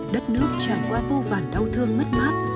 đất nước trải qua vô vàn đau thương mất mát